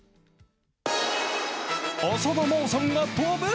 浅田真央さんが跳ぶ？